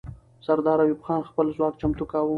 سردار ایوب خان خپل ځواک چمتو کاوه.